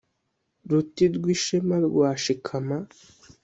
ruti rw'ishema rwa shikama